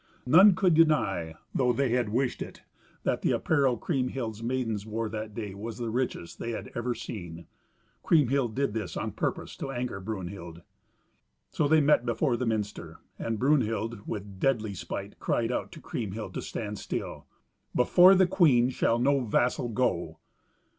None could deny, though they had wished it, that the apparel Kriemhild's maidens wore that day was the richest they had ever seen. Kriemhild did this on purpose to anger Brunhild. So they met before the minster. And Brunhild, with deadly spite, cried out to Kriemhild to stand still. "Before the queen shall no vassal go."